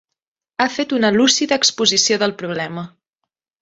Ha fet una lúcida exposició del problema.